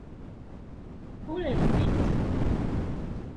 Ur rfint.